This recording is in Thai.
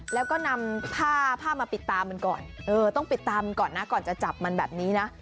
แล้วก็นำผ้าผ้ามาปิดตามันก่อนเออต้องปิดตามันก่อนนะก่อนจะจับมันแบบนี้นะ